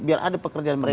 biar ada pekerjaan mereka